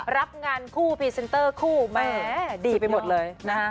รับงานคู่พรีเซนเตอร์คู่แม่ดีไปหมดเลยนะฮะ